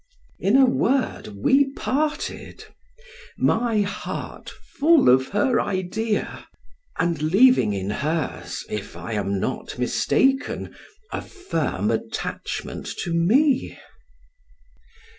In a word, we parted; my heart full of her idea, and leaving in hers (if I am not mistaken) a firm attachment to me.